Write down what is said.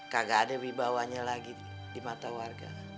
kagak ada wibawanya lagi di mata warga